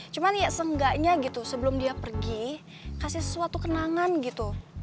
cuman ya seenggaknya gitu sebelum dia pergi kasih sesuatu kenangan gitu